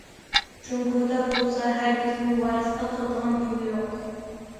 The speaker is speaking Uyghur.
جۇڭگودا بولسا، ھەرگىزمۇ ۋارىسلىق قىلىدىغان پۇل يوق.